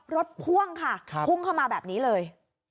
พ่วงค่ะพุ่งเข้ามาแบบนี้เลย